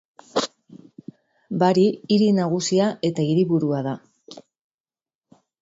Bari hiri nagusia eta hiriburua da.